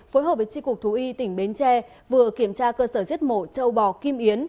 phối hợp với tri cục thú y tỉnh bến tre vừa kiểm tra cơ sở giết mổ châu bò kim yến